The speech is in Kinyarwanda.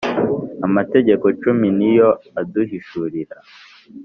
amategeko cumi niyo aduhishurira,